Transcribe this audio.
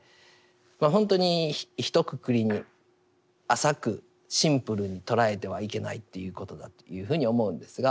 ほんとにひとくくりに浅くシンプルに捉えてはいけないということだというふうに思うんですが。